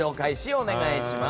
お願いします。